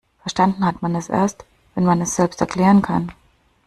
Verstanden hat man es erst, wenn man es selbst erklären kann.